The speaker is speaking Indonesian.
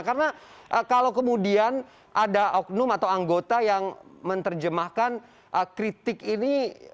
karena kalau kemudian ada oknum atau anggota yang menerjemahkan kritik ini